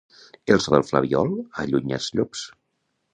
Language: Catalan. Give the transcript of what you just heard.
El so del flabiol allunya els llops.